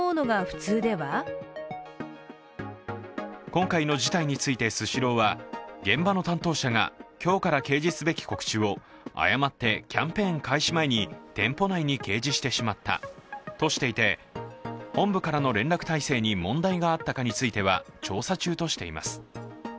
今回の事態についてスシローは現場の担当者が、今日から掲示すべき告示を誤ってキャンペーン開始前に店舗内に掲示してしまったとしていて本部からの連絡体制に問題があったかについては調査中としています。